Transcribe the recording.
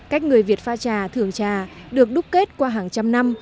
cách người việt pha trà thường trà được đúc kết qua hàng trăm năm